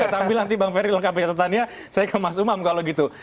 sambil nanti bang ferry lengkapi catatannya saya ke mas umam kalau gitu